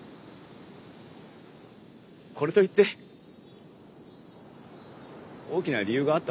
これといって大きな理由があったわけじゃないんだけど。